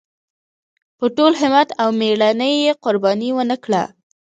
په ټول همت او مېړانۍ یې قرباني ونکړه.